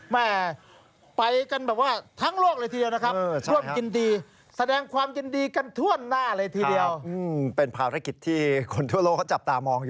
แหมไปกันแบบว่าทั้งโลกเลยทีเดียวนะครับ